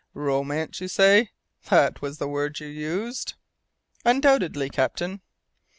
"Romance, you say? That was the word you used?" "Undoubtedly, captain."